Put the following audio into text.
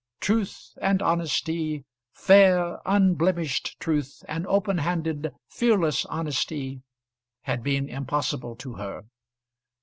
Truth and honesty, fair, unblemished truth and open handed, fearless honesty, had been impossible to her.